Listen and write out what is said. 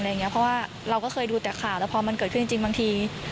เพราะว่าเราก็เคยดูแต่ข่าวแล้วพอมันเกิดขึ้นจริงบางที